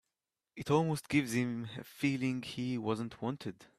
It almost gives him a feeling he wasn't wanted.